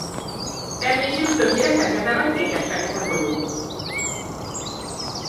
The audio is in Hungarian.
Termésük többnyire fekete vagy kékesfekete bogyó.